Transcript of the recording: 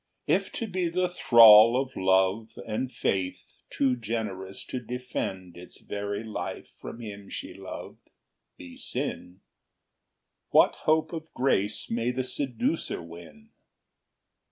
If to be the thrall Of love, and faith too generous to defend Its very life from him she loved, be sin, What hope of grace may the seducer win?